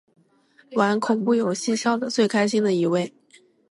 玩恐怖游戏笑得最开心的一位